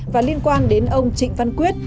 và liên quan đến ông trịnh văn quyết